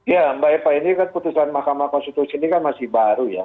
ya mbak eva ini kan putusan mahkamah konstitusi ini kan masih baru ya